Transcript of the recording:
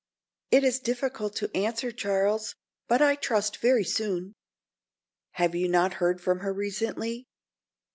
"It is difficult to answer, Charles, but I trust very soon." "Have you not heard from her recently?"